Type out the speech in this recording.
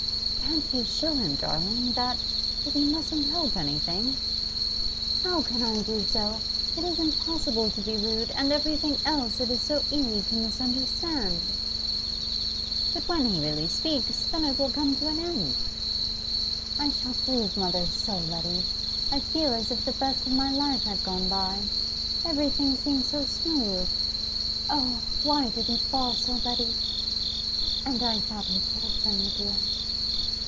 'Can't you show him, darling, that that he mustn't hope anything?' 'How can I do so? It is impossible to be rude, and everything else it is so easy to misunderstand.' 'But when he really speaks, then it will come to an end.' 'I shall grieve mother so, Letty. I feel as if the best of my life had gone by. Everything seemed so smooth. Oh, why did he fall so, Letty? and I thought he cared for me, dear.